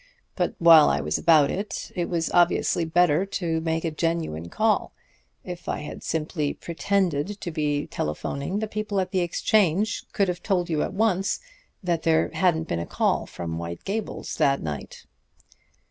But while I was about it, it was obviously better to make a genuine call. If I had simply pretended to be telephoning, the people at the exchange could have told you at once that there hadn't been a call from White Gables that night."